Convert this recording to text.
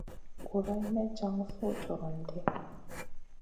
Guroyn may jan suh jorion ɗi.